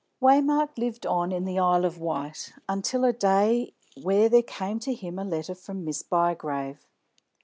Waymark lived on in the Isle of Wight, until a day when there came to him a letter from Miss Bygrave.